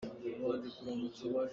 Nangmah kaan hmuh.